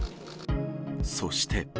そして。